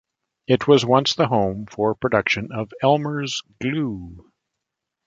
It was once the home for production of Elmer's Glue.